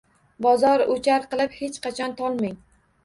Bozor-o’char qilib hech qachon tolmang.